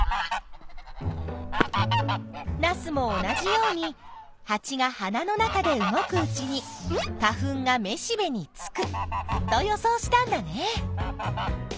ナスも同じようにハチが花の中で動くうちに花粉がめしべにつくと予想したんだね。